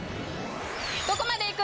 どこまでいく？